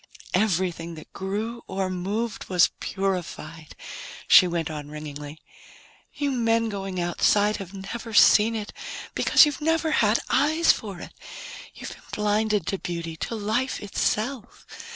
"Everything that grew or moved was purified," she went on ringingly. "You men going outside have never seen it, because you've never had eyes for it. You've been blinded to beauty, to life itself.